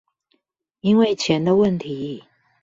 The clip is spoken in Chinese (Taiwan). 因為錢的問題